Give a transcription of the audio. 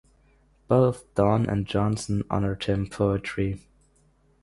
Both Donne and Jonson honoured him in poetry.